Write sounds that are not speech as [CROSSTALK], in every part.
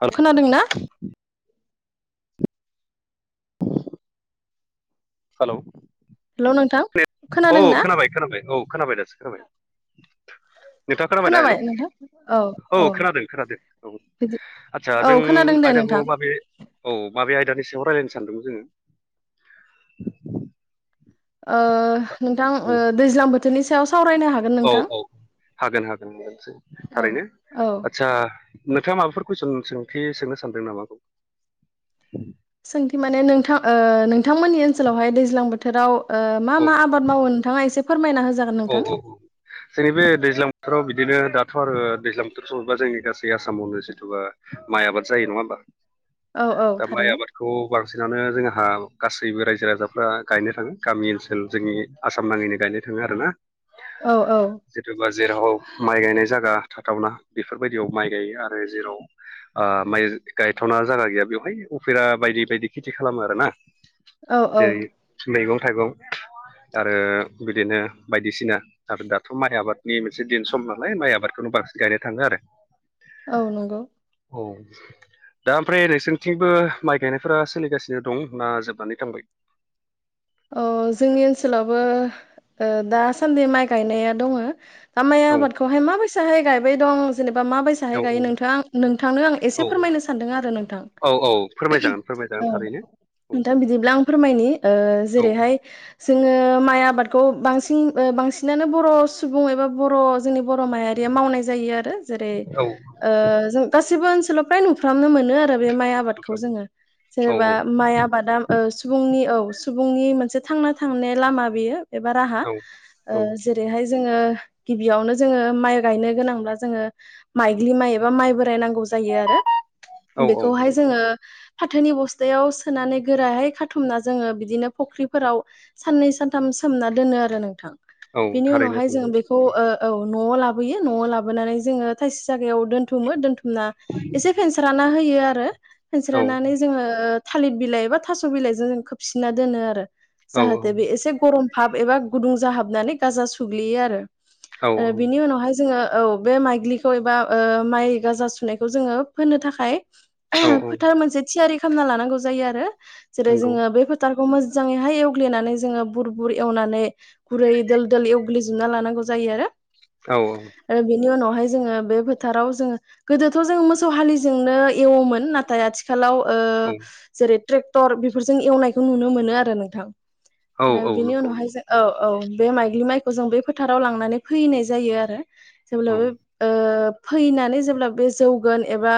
हेल खोनादोंना [INAUDIBLE] hello hello नोंथां औ खोनादों ना खोनाबाय खोनाबाय औ खोनाबाय दासो खोनाबाय नोंथाङा खोनाबायना हेल' औ खोनादों खोनादों औ बिदि आदसा औ जों खोनादों दे आयदाखौ नोंथां माबे औ माबे आयदानि रायज्लायनो सानदोंमोन जोङो नोंथां जोङो दैज्लां बोथोरनि सायाव सावरायनो हागोन औ नोंथां औ हागोन हागोन औ थारैनो औ आदसा नोंथाङा माबाफोर कुइसन सोंथि सोंनो सानदों नामा आंखौ सोंथि माने नोंथां ओ नोंथांमोननि ओनसोलावहाय दैज्लां बोथोराव मा औ मा आबाद मावो नोंथाङा एसे फोरमायना हो औ औ औ जोंनि बे दैज्लां बोथोराव बिदिनो दा थ' आरो दैज्लां बोथोर सफैबा जोंनि गासै आसामावनो जथुबा माइ आबाद जायो नङा होमबा औ औ दा माइ थारैनो आबादखौ बांसिनानो जोंहा जोंहा गासैबो रायजो राजाफ्रा गायनो थाङो गामि ओनसोल जोंनि आसाम नाङैनो गायनो थाङो आरोना। औ औ जिथुबा जेराव माइ गायनाय जागा थाथावना बेफोरबायदियाव माइ गायो आरो जेराव माइ गायथ'ना जायगा गैया बेवहाय उफेरा बायदि बायदि खेथि खालामो आरोना औ औ जेरै मैगं थाइगं आरो बिदिनो बायदिसिना आरो दाथ' माइ आबादनि मोनसे दिन सम नालाय माइ आबादखौनो बांसिन गायनो थाङो आरो औ नंगौ [INAUDIBLE] दा ओमफ्राय नोंसोरनिथिंबो माइ गायनायफोरा सोलिगासिनो दं ना जोबनानै थांबाय अ जोंनि ओनसोलावबो दासान्दि माइ गायनाया दङ दा माइ औ आबादखौहाय माबायसाहाय गायबाय दं जेनेबा माबायसाहै औ गायो नोंथां नोंथांनो आं एसे औ फोरमायनो सानदों आरो नोंथां औ औ फोरमायजागोन फोरमायजागोन औ थारैनो औ नोंथां बिदिब्ला आं फोरमायनि औ जेरैहाय। जोङो माइ आबादखौ बांसिन बांसिनानो बर' सुबुं एबा बर' जोंनि बर' माहारियाव मावनाय जायो आरो जेरै औ गासिबो ओनसोलाव फ्राय नुफ्रामनो मोनो आरो बे माइ आबादखौ जोङो औ जेनेबा माइ आबादा सुबुंनि औ सुबुंनि मोनसे थांना थांनाय लामा बेयो एबा राहा औ जेरैहाय जोङो गिबियावनो जोङो माइ गायनो गोनां जोङो माइग्लि माइ एबा माइ बोराय नांगौ नांगौ जायो आरो औ बेखौहाय नंगौ जोङो फाथोनि बस्थायाव सोनानै गोराहाय खाथुमना जोङो बिदिनो फुख्रिफोराव साननै सानथाम सोमना दोनो आरो नोंथां। औ बेनि थारैनो उनावहाय जों बेखौ ओ औ। न'आव लाबोयो न'आव लाबोनानै जोङो थायसे जागायाव दोन्थुमो दोनथुम ना एसे फेनस्राना होयो आरो नंगौ फेनस्रानानै जोङो थालिर बिलाइ एबा थास' बिलाइजों जों खोबसिनना दोनो आरो औ औ जाहाथे बे एसे गरम हाब एबा गुदुं जाहाबनानै गाजा सुग्लियो आरो औ आरो बिनि उनावहाय जोङो औ बे माइग्लिखौ एबा माइ गाजा सुनायखौ जोङो फोनो थाखाय औ औ फोथार मोनसे थियारि खालामना लानांगौ जायो आरो जेरै नंगौ जोङो बे फोथ खौ मोजाङै हाय एवग्लेनानै जोङो बुर बुर एवनानै गुरै दोल दोल ग्लि जोबना लानांगौ जायो आरो औ आरो बेनि उनाव बेहाय जोङो बे फोथाराव जोङो गोदोथ' जोङो मोसौ हालिजोंनो एवोमोन नाथाय आथिखालाव औ जेरै ट्रेक्टर बेफोरजों एवनायखौ नुनो मोनो आरो नोंथां। आरो बिनि उनावहाय जों औ औ बे माइग्लि माइखौ जों बे फोथाराव लांनानै फोहैनाय जायो आरो औ जेब्लाबो। फोयैनानै जेब्ला बे जौगोन एबा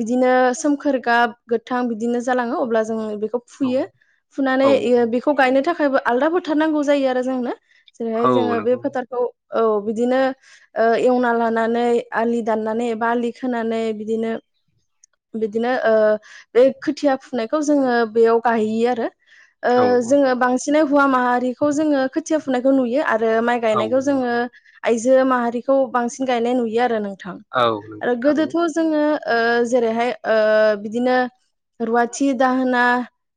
बिदिनो सोमखोर गाब गोथां बिदिनो जालां ओ अब्ला जों बेखौ फुयो फुनानै बेखौ गायनो थाखायबो आलदा बुथारनांगौ जायो आरो जोंनो जेरैहाय जोङो बे फोथारखौ औ बिदिनो एवना लानानै आलि दाननानै एबा आलि खोनानै बिदिनो बिदिनो बे खोथिया फुनायखौ जोङो बेयाव गाह बि जोङो बांसिनै हौवा माहारिखौ जोङो खोथिया फुनायखौ नुयो आरो। आरो माइ गायनायखौ नंगौ जोङो आयजो माहारिखौ बांसिन गायनाय नुयो आरो नों थ औ आरो नंगौ थारैनो गोदोथ' जोङो जेरैहाय बिदिनो रुवाथि दाहोना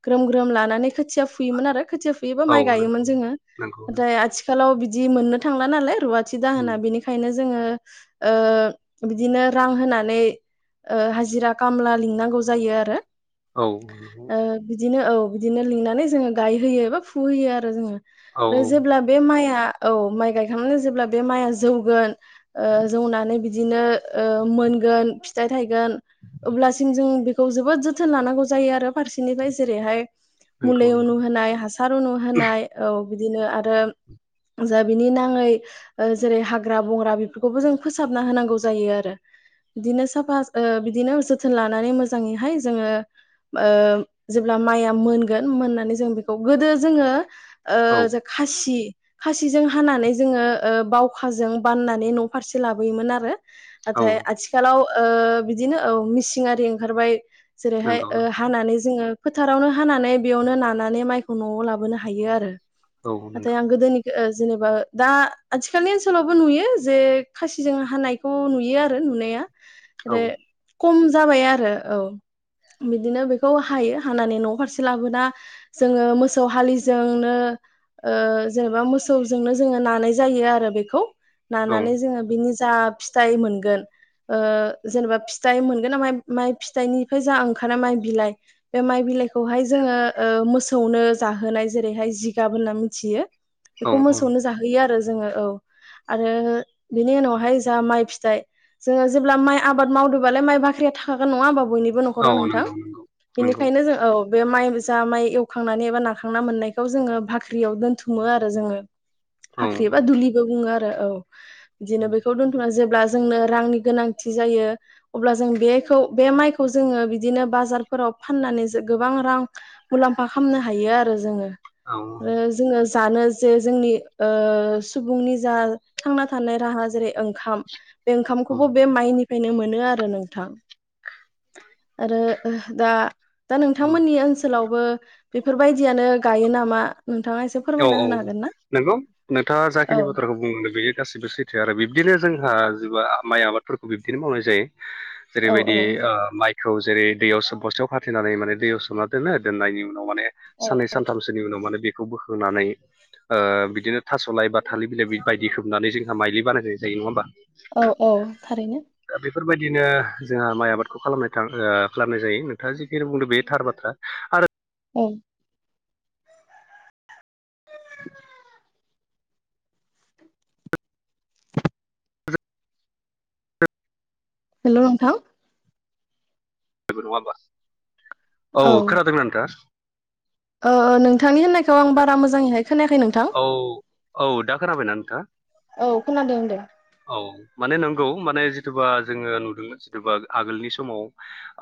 ग्रोम ग्रोम लानानै खोथिया फुयोमोन आरो खोथिया फुयोबा औ माइ नंगौ गायोमोन जोङो नंगौ नंगौ नाथाय आथिखालाव बि जि मोननो थांला नालाय रुवाथि उम दाहोना बेनिखायनो। जोङो बिदिनो रां होनानै हाजिरा खामला लिंनांगौ जायो आरो औ औ ओ बिदिनो औ बिदिनो लिंनानै जोङो गायहोयो एा फुहोयो आरो जोङो औ औ ओमफ्राय जेब्ला बे माइआ औ माइ गायखांनानै जेब्ला बे माइआ जौगोन जौनानै बिदिनो मोनगोन फिथाइ थाइगोन अब्लासिम जों बेखौ जोबोद जोथोन लानांगौ जायो आरो फारसेनिफ्राय जेरैहाय नंगौ मुलि नंगौ उनुहोनाय हासार उनु होनोनाय औ बिदिनो आरो जा बिनि नाङै जेरै हाग्रा बंग्रा बेफोरखौबो जों फोसाबना होनांगौ जायो आरो। बिदिनो साफा बिदिनो जोथोन लानानै मोजाङैहाय जोङो। जेब्ला माइया मोनगोन मोननानै जों बेखौ गोदो जोङो औ ज खासि खासिजों हानानै जोङो बावखाजों बाननानै न' फारसे लाबोयोमोन आरो। औ नाथाय आथिखालाव बिदिनो औ मिसिं आरारि ओंखारबाय जेरैहाय नंगौ ओ हानानै जोङो फोथारावनो हानानै बेयावनो नानानै माइखौ न'आव लाबोनो हायो आरो औ नंगौ नाथाय आं गोदोनि जेनेबा दा आथिखालनि ओनसोलावबो नुयो जे खासिजों हानायखौ नुयो आरो नुनाया औ आरो खम जाबाय आरो औ बिदिनो बेखौ हायो थांनानै न' फारसे लाबोना जोङो मोसौ हालिजोंनो जेनेबा मोसौजोंनो जोङो नानाय जायो आरो बेखौ नानानै औ जोङो बिनि जा फिथाइ मोनगोन जेनेबा फिथाइ मोनगोन न माइ फिथाइनिफ्राय जा ओंखारा माइ बिलाइ बे माइ बिलाइखौहाय जोङो मोसौनो जाहोनाय जेरैहाय जिगाब होनना मिथियो बेखौ औ मोसौनो जाहोयो आरो जोङो औ आरो बिनि उनावहाय जाों माइ फिथाइ जोङो जेब्ला माइ आबाद मावदोंबालाय माइ बाख्रिया थाखाागोन नङा होनोमबाब बयनिबो औ न'खराव नोंथां नंगौ नंगौ नंगौ बेनिखायनो जों औ बे माइ जा माइ एवखांनानै एबा नाखांना मोननायखौ जोङो बाख्रियाव दोनथुमो आरो जोङो औ फाख्रि एबा दुलिबो बुङो आरो औ बिदिनो बेखौ दोनथ'ना जेब्ला ग ज म ज बि बार फोराव फाननानै गोबां रां मुलाम्फा खालामनो हायो आरो जोङो जोङो जानो जे जोंनि सुबुंनि जा थांना थानाय राहा जेरै ओंखाम बे औ ओंखामखौबो बे माइनिफ्रायनो मोनो आरो नोंथां आरो दा दा नोंथांमोननि ओनसोलावबो बेफोरबायदियानो गायो नामा नोंथाङा एसे औ फोरमायना औ होनो हागोन ना? नंगौ नोंथाङा औ जाखिनि बाथ्राखौ बुंगो बेयो गासिबो सैथो आरो बिब्दिनो जोंहा ज माइ आबादफोरखौ बिब्दिनो मावनाय जायो औ जेरैबायदि माइ खौ जेरै दैयाव सोम बस्ायाव खाथनानै माने दैयाव सोमना दोनो दोननायनि ाव माने औ साननै सानथामसोनि उनाव माने बेखौ बोखोनानै बिदिनो थास'लाय बा थालिर बिलाइ बायदि खोबनानै जोंहा माइलि बानायहोनाय जायो नङा होमबा औ औ थारैनो बेफोर बायदिनो जोंहा माइ आबादखौ खालामनाय थां खालामनाय जायो नोंथाङा जिखिनि बुंदों बे थार बाथ्रा आरो औ [INAUDIBLE] हेल' नोंथां। जेबो नङा होमबा औ खोनादोंना नोंथाङा? ओ ओ नोंथांनि होननायखौ आं बारा मोजाङैहाय खोनायाखै नोंथां औ औ दा खोनाबायना नोंथाङा औ खोनादों दे औ माने नोंगौ माने जिथुबा जोङो नुदों जिथुबा आगोलनि समाव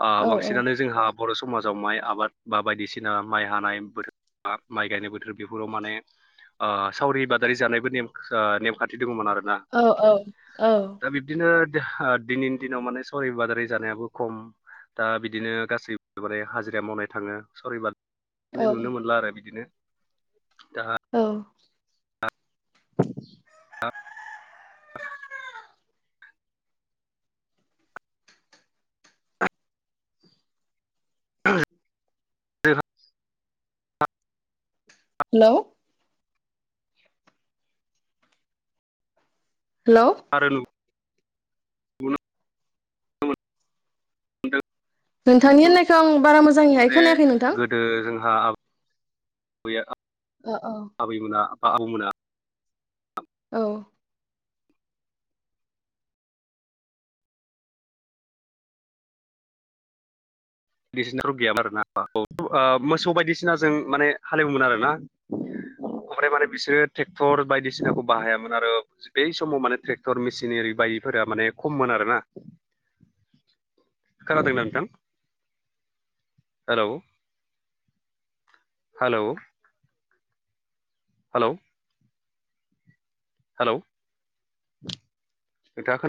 ओ औ औ बांसिनानो जोंहा बर' समाजाव माइ आबाद बा बायदिसिना माइ हानाय बोथोर माइ गायनाय बोथोर बेफोराव माने ओ सावरि बादारि जानायबो ने नेमखान्थि दङ'मोन आरो औ औ औ [UNINTELLIGIBLE] दा औ बिब्दिनो ओ दिनैनि दिनाव माने सवरि बादारि जानायाबो खम दा बिदिनो गासैबो माने हाजिरा मावनाय थाङो सवरि बा नुनो मोनला आरो बिदिनो जाहा उम ज [INAUDIBLE] हेल' हेल' बुं [INAUDIBLE] नोंथांनि होननायखो आं बारा मोजाङैहाय खोनायाखै नोंथां आहा ओ औ [INAUDIBLE] आबैमोना बा आबौमोना औ बायदिसिनाथ' [INAUDIBLE] ओ गैयामोन आरोना औ मोसौ बायदिसिनाजों माने हालेवोन आरोना। ओमफ्राय माने बिसोरो टेक्टर बायदिसिनाखौ बाहायामोन आरो बै समाव माने ट्रेक्टर मेसिन एरि बा बाहायिफोरा माने खममोन आरोना। खोनादोंना नोंथां? हेल' हेल' हेल' हेलौ नोंथाङा खोना